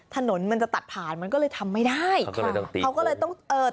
ถนนมันจะตัดผ่านมันก็เลยทำไม่ได้ค่ะเขาก็เลยต้องเอ่อ